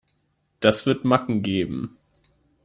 Das wird Macken geben.